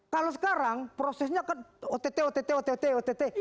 kalau sekarang prosesnya kan ott ott ott ott